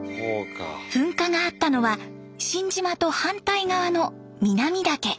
噴火があったのは新島と反対側の南岳。